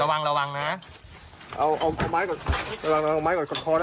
เอาไม้ก่อนระวังเอาไม้ก่อนก่อนท้อได้ไหม